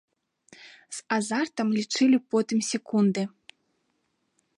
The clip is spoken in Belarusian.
З азартам лічылі потым секунды.